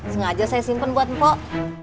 sengaja saya simpan buat mpok